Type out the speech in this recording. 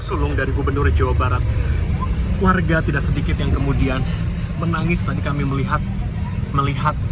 sulung dari gubernur jawa barat warga tidak sedikit yang kemudian menangis tadi kami melihat melihat